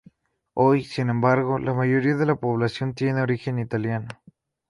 Hoy, sin embargo, la mayoría de la población tiene origen italiano.